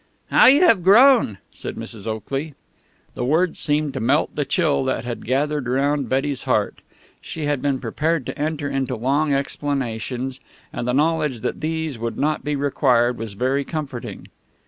"How you have grown!" said Mrs. Oakley. The words seemed to melt the chill that had gathered around Betty's heart. She had been prepared to enter into long explanations, and the knowledge that these would not be required was very comforting.